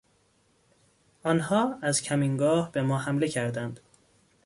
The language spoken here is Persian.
آنها از کمینگاه به ما حمله کردند.